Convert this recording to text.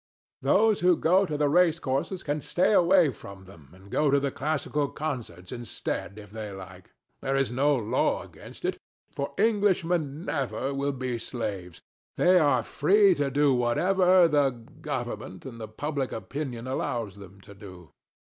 Those who go to the racecourses can stay away from them and go to the classical concerts instead if they like: there is no law against it; for Englishmen never will be slaves: they are free to do whatever the Government and public opinion allows them to do.